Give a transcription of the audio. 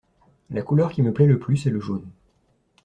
La couleur qui me plait le plus est le jaune.